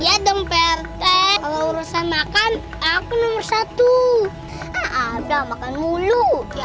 adam makan aku nomor satu ada makan mulu